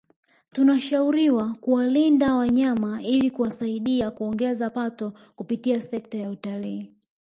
Tunashauriwa kuwalinda wanyama ili watusaidie kuongeza pato kupitia sekta ya utalii